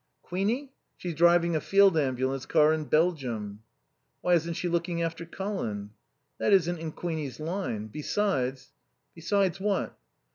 "Queenie? She's driving a field ambulance car in Belgium." "Why isn't she looking after Colin?" "That isn't in Queenie's line. Besides " "Besides what?"